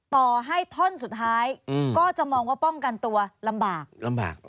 ต่อให้ท่อนสุดท้ายก็จะมองว่าป้องกันตัวลำบากลำบาก